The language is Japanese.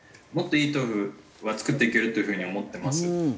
もっといい豆腐は作っていけるというふうに思ってます。